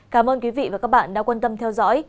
cảm ơn quý vị và các bạn đã quan tâm theo dõi